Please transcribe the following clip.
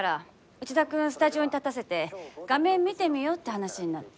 内田君スタジオに立たせて画面見てみようって話になって。